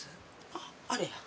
あっあれや。